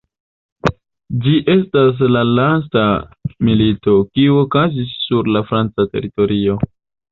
Ĝi estas la lasta milito, kiu okazis sur la franca teritorio.